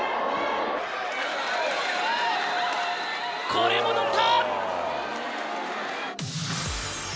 これも取った！